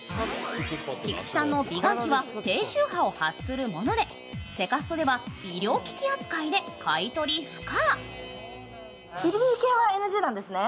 菊地さんの美顔器は低周波を発するものでセカストでは医療機器扱いで買い取り不可。